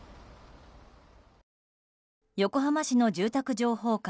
横浜市の住宅情報館